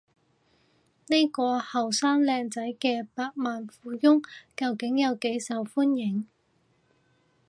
呢個後生靚仔嘅百萬富翁究竟有幾受歡迎？